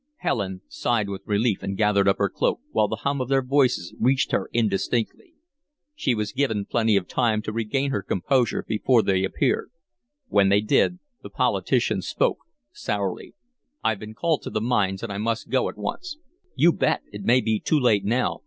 Helen sighed with relief and gathered up her cloak, while the hum of their voices reached her indistinctly. She was given plenty of time to regain her composure before they appeared. When they did, the politician spoke, sourly: "I've been called to the mines, and I must go at once." "You bet! It may be too late now.